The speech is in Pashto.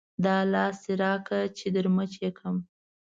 دا لاس دې راکړه چې در مچو یې کړم.